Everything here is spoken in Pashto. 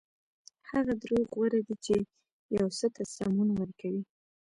هغه دروغ غوره دي چې یو څه ته سمون ورکوي.